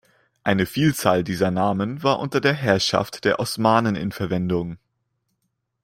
Eine Vielzahl dieser Namen war unter der Herrschaft der Osmanen in Verwendung.